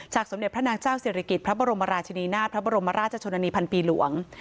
สมเด็จพระนางเจ้าศิริกิจพระบรมราชนีนาฏพระบรมราชชนนานีพันปีหลวง